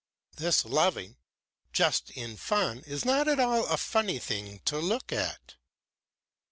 "This loving just in fun is not at all a funny thing to look at."